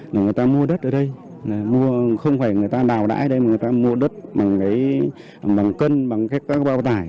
người ta mua đất ở đây không phải người ta đào đãi ở đây mà người ta mua đất bằng cân bằng các báo tải